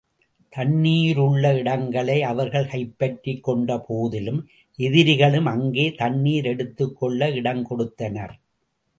தண்ணீருள்ள இடங்களை, அவர்கள் கைப்பற்றிக் கொண்ட போதிலும், எதிரிகளும் அங்கே தண்ணீர் எடுத்துக் கொள்ள இடம் கொடுத்தனர்.